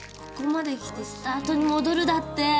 ここまで来てスタートに戻るだって。